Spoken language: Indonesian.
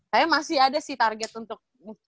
saya masih ada sih target untuk